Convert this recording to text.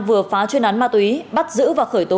vừa phá chuyên án ma túy bắt giữ và khởi tố